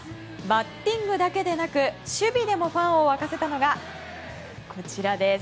バッティングだけでなく守備でもファンを沸かせたのがこちらです。